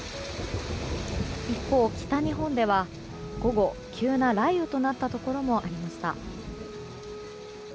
一方、北日本では午後、急な雷雨となったところもありました。